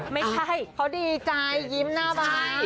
ไม่ใช่เขาดีใจยิ้มหน้าบาย